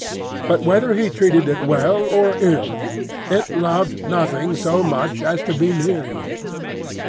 But whether he treated it well or ill, it loved nothing so much as to be near him.